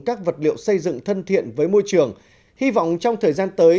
các vật liệu xây dựng thân thiện với môi trường hy vọng trong thời gian tới